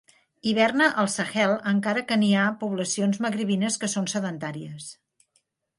Hiverna al Sahel encara que n'hi ha poblacions magribines que són sedentàries.